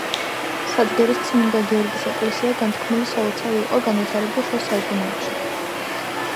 სადგერის წმინდა გიორგის ეკლესია განთქმული სალოცავი იყო განვითარებულ შუა საუკუნეებში.